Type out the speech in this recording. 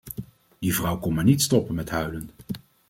Die vrouw kon maar niet stoppen met huilen.